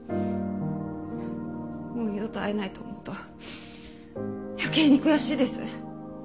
もう二度と会えないと思うと余計に悔しいです。